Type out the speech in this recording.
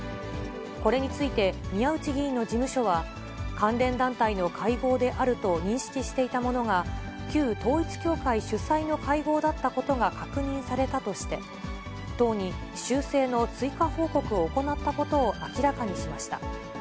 これについて宮内議員の事務所は、関連団体の会合であると認識していたものが、旧統一教会主催の会合だったことが確認されたとして、党に修正の追加報告を行ったことを明らかにしました。